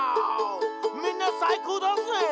「みんなさいこうだぜ！」